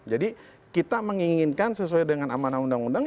jadi kita menginginkan sesuai dengan amanah undang undang